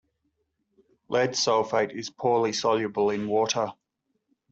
Lead sulfate is poorly soluble in water.